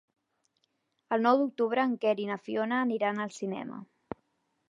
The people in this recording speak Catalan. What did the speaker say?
El nou d'octubre en Quer i na Fiona aniran al cinema.